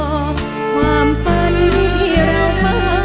ความฝันที่เราเฝ้าไว้